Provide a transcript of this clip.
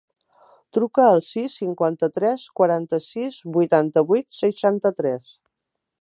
Truca al sis, cinquanta-tres, quaranta-sis, vuitanta-vuit, seixanta-tres.